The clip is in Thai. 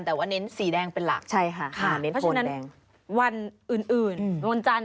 แต่ว่าเน้นสีแดงเป็นหลักใช่ค่ะเพราะฉะนั้นวันอื่นวันจันทร์